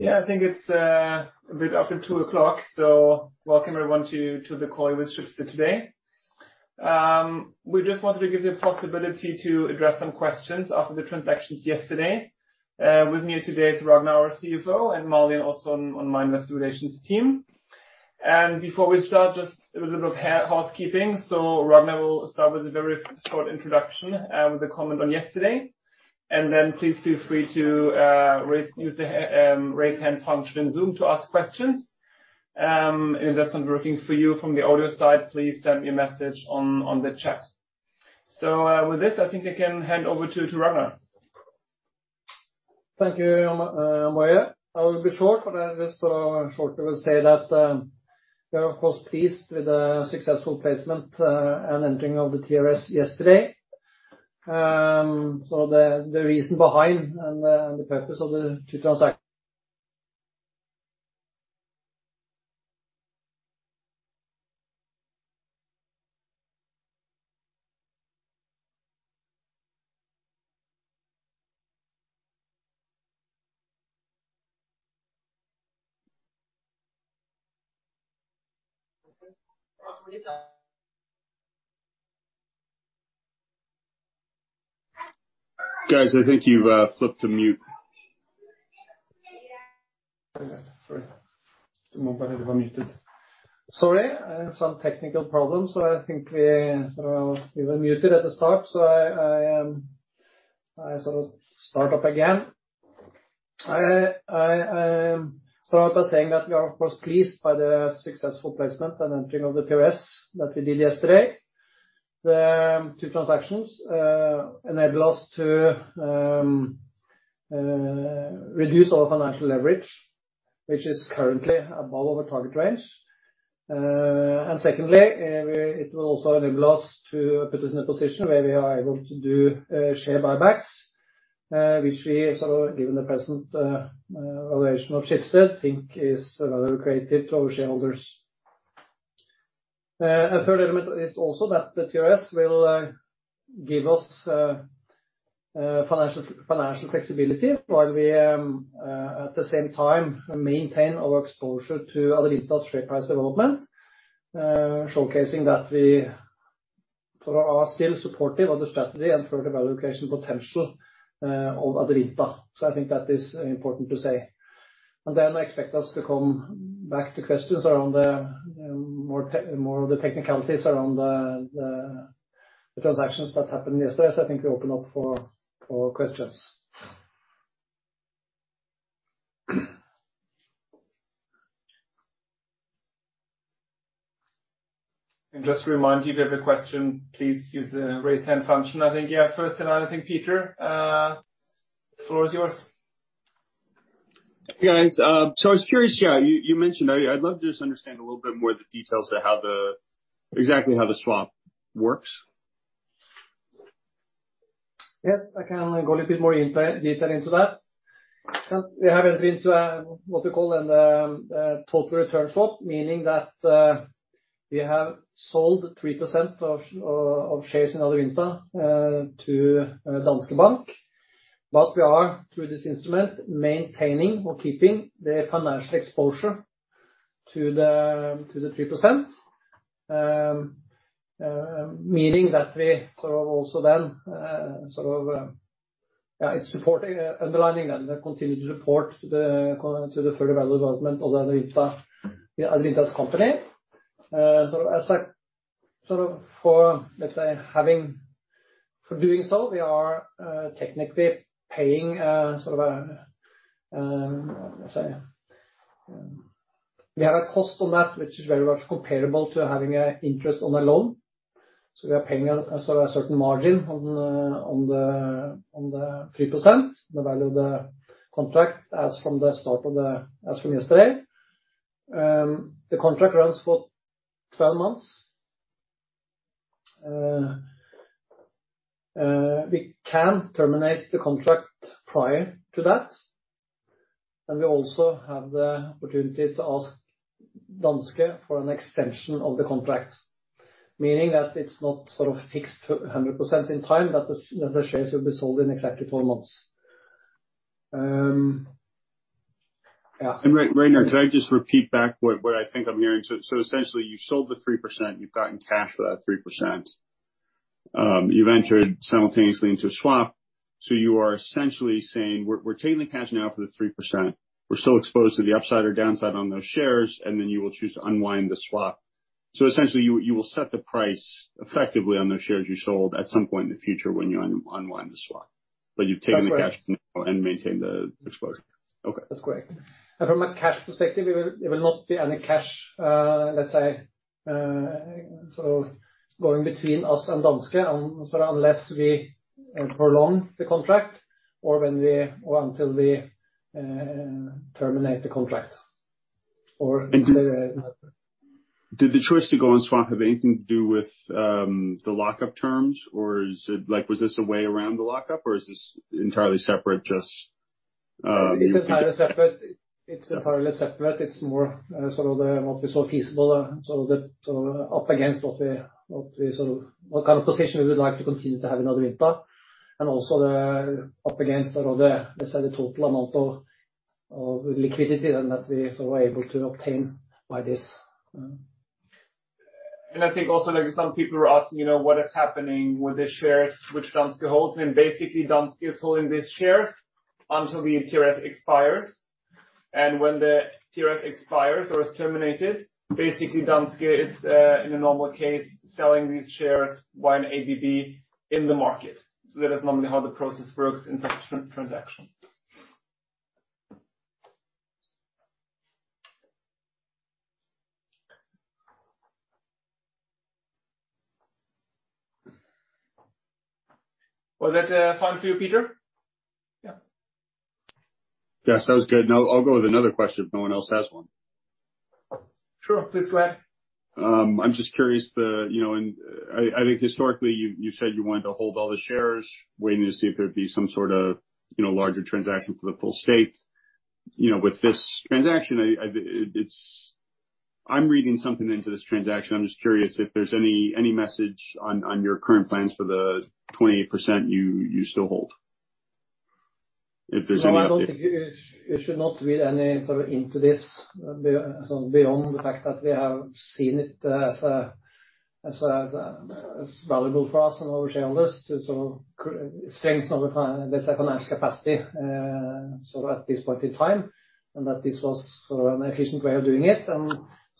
Yeah, I think it's a bit after 2:00 PM. Welcome everyone to the call with Schibsted today. We just wanted to give you a possibility to address some questions after the transactions yesterday. With me today is Ragnar, our CFO, and Marlene Olson on Investor Relations team. Before we start, just a little bit of housekeeping. Ragnar will start with a very short introduction, with a comment on yesterday. Then please feel free to use the raise hand function in Zoom to ask questions. If that's not working for you from the audio side, please send me a message on the chat. With this, I think I can hand over to Ragnar. Thank you, Malin. I will be short because I'm just so short to say that, we are of course pleased with the successful placement, and entering of the TRS yesterday. The, the reason behind and the purpose of the two transactions... Guys, I think you've flipped to mute. Sorry. You were muted. Sorry. I had some technical problems. I think we sort of were muted at the start. I sort of start up again. I start by saying that we are of course pleased by the successful placement and entering of the TRS that we did yesterday. The two transactions enable us to reduce our financial leverage, which is currently above our target range. Secondly, it will also enable us to put us in a position where we are able to do share buybacks, which we sort of given the present valuation of Schibsted think is value creative to our shareholders. A third element is also that the TRS will give us financial flexibility while we at the same time maintain our exposure to Adevinta's share price development, showcasing that we sort of are still supportive of the strategy and further valuation potential of Adevinta. I think that is important to say. I expect us to come back to questions around the more of the technicalities around the transactions that happened yesterday. I think we open up for questions. Just to remind you if you have a question, please use the Raise Hand function. I think you have first in line Peter, the floor is yours. Hey, guys. I was curious, yeah, you mentioned, I'd love to just understand a little bit more of the details to exactly how the swap works? Yes, I can go a little bit more in detail into that. We have entered into what you call a total return swap, meaning that we have sold 3% of shares in Adevinta to Danske Bank. We are through this instrument, maintaining or keeping the financial exposure to the 3%. Meaning that we sort of also then sort of underlining the continued support to the further value development of Adevinta's company. Sort of for, let's say, for doing so we are technically paying, sort of, let's say, we have a cost on that which is very much comparable to having a interest on a loan. We are paying a sort of a certain margin on the 3%. The value of the contract as from the start of the as from yesterday. The contract runs for 12 months. We can terminate the contract prior to that. We also have the opportunity to ask Danske for an extension of the contract. Meaning that it's not sort of fixed to 100% in time that the shares will be sold in exactly four months. Yeah. Ragnar, can I just repeat back what I think I'm hearing? Essentially you sold the 3%, you've gotten cash for that 3%. You've entered simultaneously into a swap. You are essentially saying, "We're taking the cash now for the 3%. We're still exposed to the upside or downside on those shares," and then you will choose to unwind the swap. Essentially you will set the price effectively on those shares you sold at some point in the future when you unwind the swap. You've taken- That's correct. the cash and maintained the exposure. Okay. That's correct. From a cash perspective, there will not be any cash, let's say, sort of going between us and Danske unless we prolong the contract or until we terminate the contract. Did the choice to go and swap have anything to do with the lockup terms, or is it like, was this a way around the lockup or is this entirely separate just? It's entirely separate. It's more, sort of the what we saw feasible, so that, up against what kind of position we would like to continue to have in Adevinta, and also the up against sort of the, let's say the total amount of liquidity then that we sort of able to obtain by this. I think also, like some people were asking, you know, what is happening with the shares which Danske holds, and basically Danske is holding these shares until the TRS expires. When the TRS expires or is terminated, basically Danske is in a normal case, selling these shares via an ABB in the market. That is normally how the process works in such a transaction. Was that fine for you, Peter? Yeah. Yes. That was good. I'll go with another question if no one else has one. Sure, please go ahead. I'm just curious you know, I think historically you said you wanted to hold all the shares, waiting to see if there'd be some sort of, you know, larger transaction for the full stake. You know, with this transaction, I, I'm reading something into this transaction. I'm just curious if there's any message on your current plans for the 28% you still hold. If there's any update. No, I don't think you should not read any sort of into this be, sort of, beyond the fact that we have seen it as valuable for us and our shareholders to sort of strengthen our this financial capacity, sort of at this point in time, and that this was sort of an efficient way of doing it.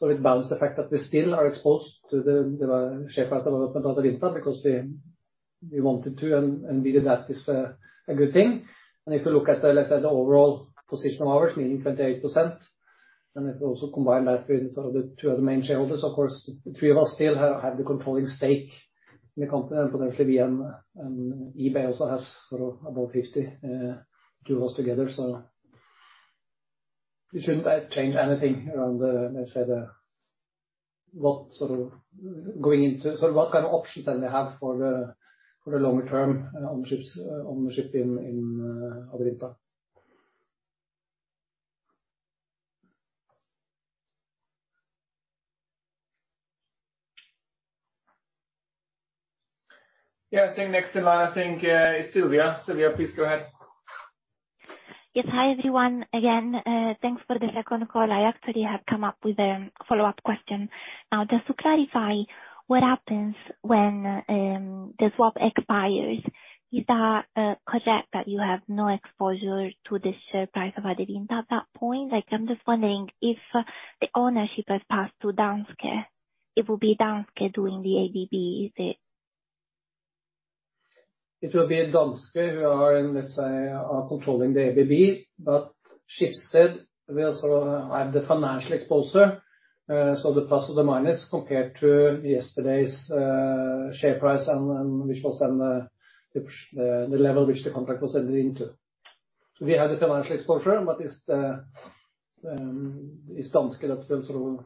It balanced the fact that we still are exposed to the share price of Adevinta because we wanted to and really that is a good thing. If you look at the, let's say the overall position of ours, meaning 28%, and if we also combine that with sort of the two other main shareholders, of course the three of us still have the controlling stake in the company and potentially we and eBay also has sort of about 52 of us together. It shouldn't change anything around the, let's say the, what sort of going into, sort of what kind of options then we have for the, for the longer term, ownships, ownership in Adevinta. Yeah. I think next in line I think, is Sylvia. Sylvia, please go ahead. Hi, everyone again. Thanks for the second call. I actually have come up with a follow-up question. Now, just to clarify what happens when the swap expires, is that correct that you have no exposure to the share price of Adevinta at that point? Like, I'm just wondering if the ownership has passed to Danske, it will be Danske doing the ABB, is it? It will be Danske who are in, let's say, are controlling the ABB. That shifts. We also have the financial exposure, so the plus or the minus compared to yesterday's share price and which was then the level which the contract was entered into. We have the financial exposure, but it's Danske that will sort of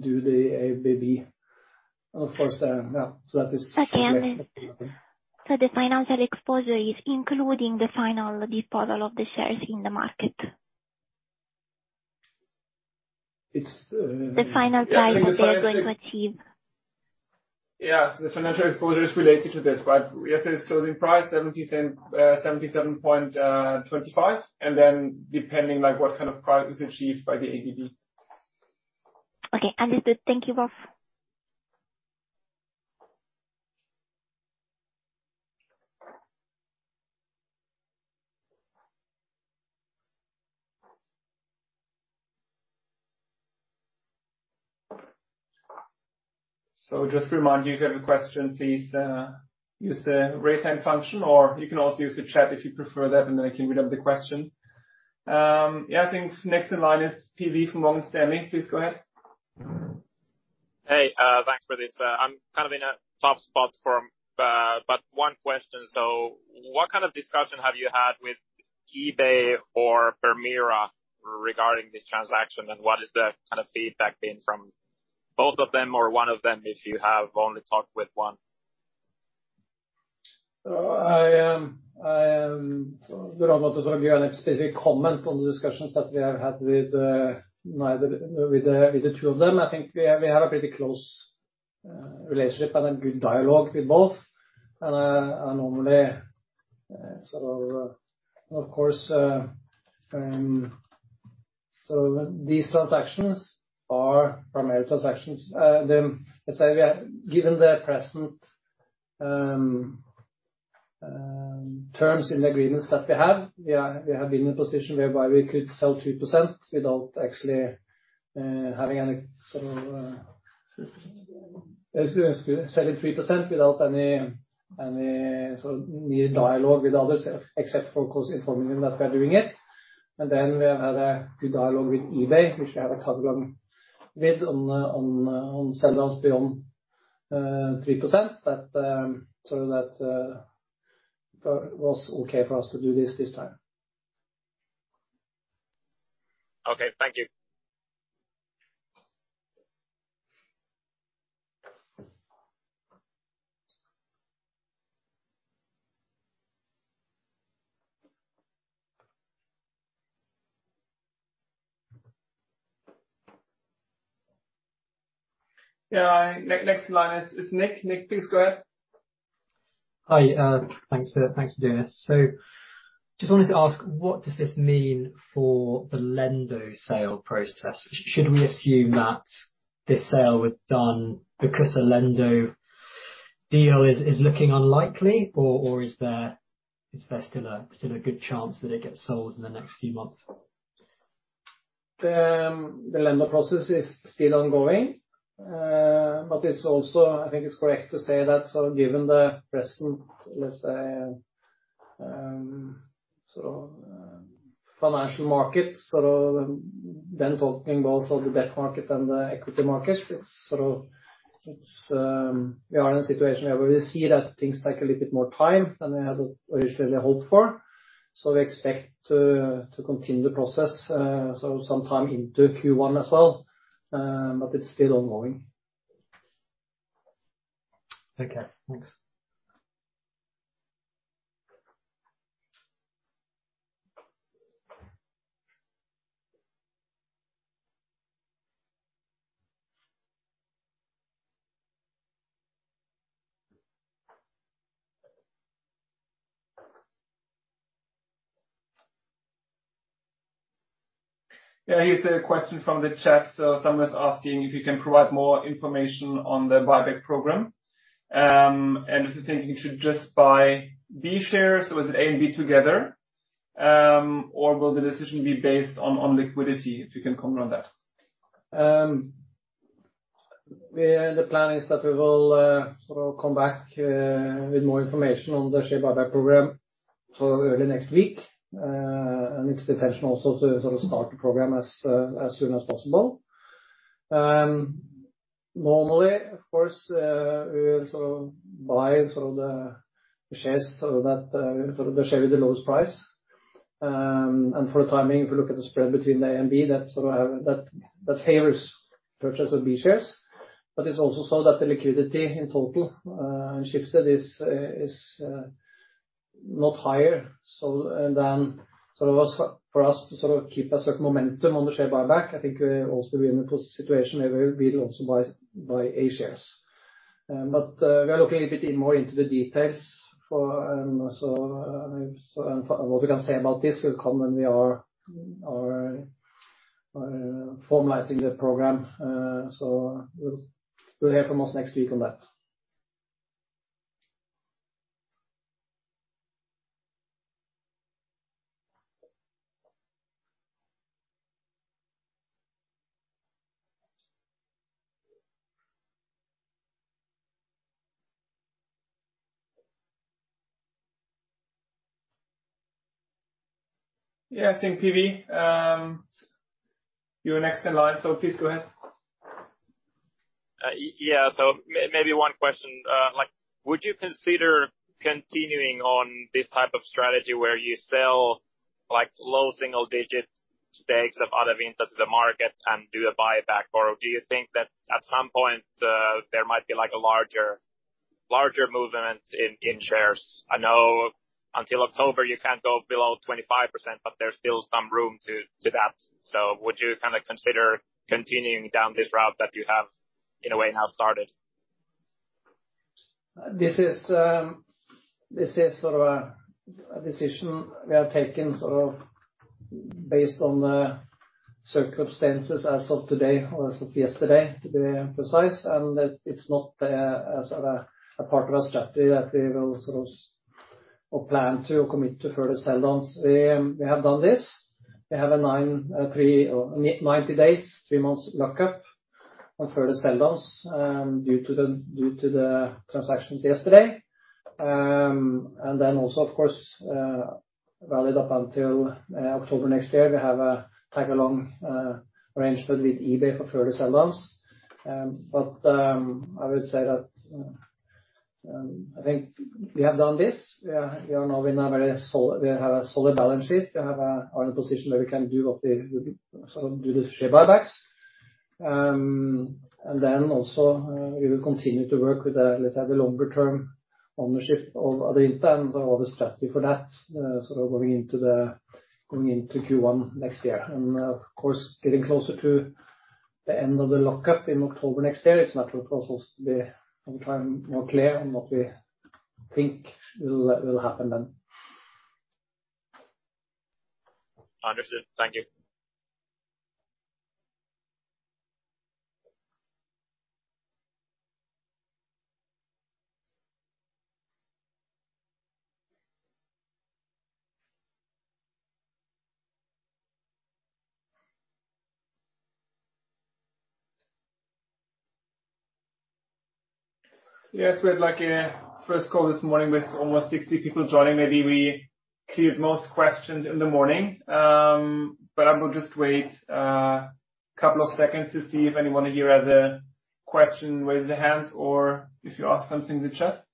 do the ABB, of course, yeah. That is. Okay. The financial exposure is including the final disposal of the shares in the market? It's. The final price that they are going to achieve. The financial exposure is related to this, but yesterday's closing price 77.25, and then depending, like, what kind of price is achieved by the ABB. Okay. Understood. Thank you both. Just to remind you, if you have a question, please use the raise hand function or you can also use the chat if you prefer that, and then I can read out the question. I think next in line is PV from Morgan Stanley. Please go ahead. Hey, thanks for this. I'm kind of in a tough spot, but one question. What kind of discussion have you had with eBay or Permira regarding this transaction, and what is the kind of feedback been from both of them or one of them, if you have only talked with one? I sort of, we're not at liberty to comment on the discussions that we have had neither with the two of them. I think we have a pretty close relationship and a good dialogue with both. Normally, sort of course, so these transactions are primary transactions. I say we are given the present terms in the agreements that we have, we have been in a position whereby we could sell 2% without actually having any sort of... Selling 3% without any sort of new dialogue with others except for, of course, informing them that we are doing it. We have a good dialogue with eBay, which we have a long with on selling beyond, 3% that, sort of that, was okay for us to do this time. Okay. Thank you. Yeah. Next in line is Nick. Nick, please go ahead. Hi, thanks for doing this. Just wanted to ask, what does this mean for the Lendo sale process? Should we assume that this sale was done because a Lendo deal is looking unlikely or is there still a good chance that it gets sold in the next few months? The Lendo process is still ongoing. It's also, I think it's correct to say that so given the present, let's say, sort of financial markets, sort of then talking both of the debt market and the equity markets. It's sort of... We are in a situation where we see that things take a little bit more time than we had originally hoped for. We expect to continue the process, so sometime into Q1 as well. It's still ongoing. Okay. Thanks. Yeah. Here's a question from the chat. Someone's asking if you can provide more information on the buyback program. Is the thinking it should just buy B shares, or is it A and B together? Will the decision be based on liquidity? If you can comment on that. The plan is that we will come back with more information on the share buyback program for early next week. It's the intention also to start the program as soon as possible. Normally, of course, we also buy the shares so that the share with the lowest price. For the time being if you look at the spread between the A and B that favors purchase of B shares. It's also so that the liquidity in total in Schibsted is not higher so than for us to keep a certain momentum on the share buyback. I think we're also be in a situation where we will also buy A shares. We are looking a bit more into the details for, what we can say about this will come when we are formalizing the program. You'll hear from us next week on that. Yeah. I think PV, you're next in line, please go ahead. Yeah. Maybe one question. Like would you consider continuing on this type of strategy where you sell like low single-digit stakes of other vendors to the market and do a buyback? Or do you think that at some point, there might be like a larger movement in shares? I know until October you can't go below 25%, but there's still some room to that. Would you kinda consider continuing down this route that you have in a way now started? This is, this is sort of a decision we have taken sort of based on the circumstances as of today, or as of yesterday, to be precise. It's not, as, a part of our strategy that we will sort of or plan to commit to further sell downs. We have done this. We have a nine, three, 90 days, three months lockup for further sell downs, due to the transactions yesterday. Also, of course, valid up until October next year. We have a tag-along, arrangement with eBay for further sell downs. I would say that, I think we have done this. We are now in a very solid. We have a solid balance sheet. We are in a position where we can do up the, sort of do the share buybacks. Then also, we will continue to work with the, let's say, the longer term ownership of Adevinta and sort of the strategy for that, sort of going into the, going into Q1 next year. Of course, getting closer to the end of the lockup in October next year, if not, we'll also be more time, more clear on what we think will happen then. Understood. Thank you. Yes, we had like a first call this morning with almost 60 people joining. Maybe we cleared most questions in the morning. I will just wait a couple of seconds to see if anyone here has a question, raise their hands or if you ask something in the chat.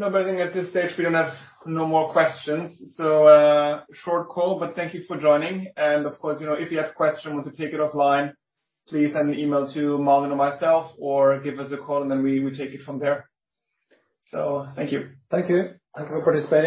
I think at this stage we don't have no more questions. Short call, but thank you for joining. Of course, you know, if you have question, want to take it offline, please send an email to Malin or myself or give us a call and then we will take it from there. Thank you. Thank you. Thank you for participating.